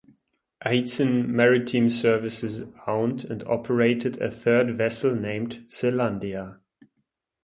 Eitzen Maritime Services owned and operated a third vessel named "Selandia".